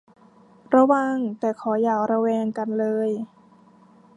ระวัง แต่ขออย่าระแวงกันเลย